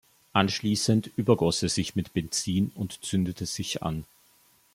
Anschließend übergoss er sich mit Benzin und zündete sich an.